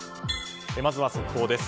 まずは速報です。